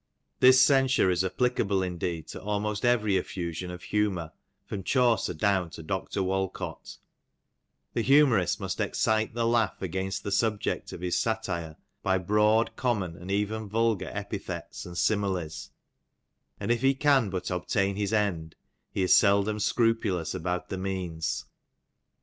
This censure is applicable indeed to almost every effusion of humour from Chaucer down to Dr. Walcot ; the humourist must excite the laugh against the subject of his satire by broad, common, and even vulgar epithets, and similies; and if he can but obtain his end, he is seldom scrupulous about the means.